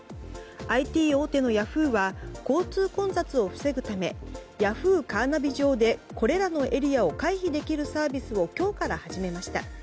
ＩＴ大手のヤフーは交通混雑を防ぐためＹａｈｏｏ！カーナビ上でこれらのエリアを回避できるサービスを今日から始めました。